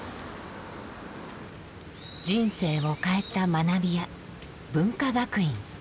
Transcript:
人生を変えた学び舎文化学院。